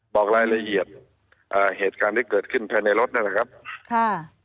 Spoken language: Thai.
บอกรายละเอียดอ่าเหตุการณ์ที่เกิดขึ้นภายในรถนั่นแหละครับค่ะ